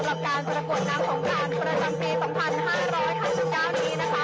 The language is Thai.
ขึ้นทุกชมค่ะสำหรับการสรรควดนางของการประจำปี๒๕๖๙นี้นะคะ